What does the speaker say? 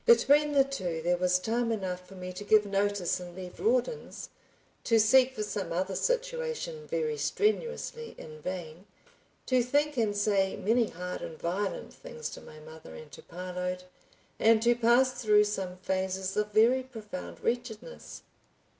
Between the two there was time enough for me to give notice and leave Rawdon's, to seek for some other situation very strenuously in vain, to think and say many hard and violent things to my mother and to Parload, and to pass through some phases of very profound wretchedness.